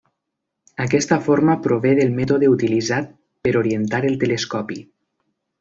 Aquesta forma prové del mètode utilitzat per orientar el telescopi.